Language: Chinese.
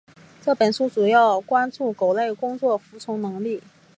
这本书主要关注狗类工作服从能力。